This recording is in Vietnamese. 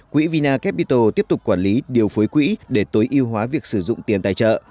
quỹ vinacapital tiếp tục quản lý điều phối quỹ để tối ưu hóa việc sử dụng tiền tài trợ